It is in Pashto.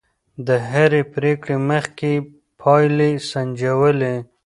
د هرې پرېکړې مخکې يې پايلې سنجولې.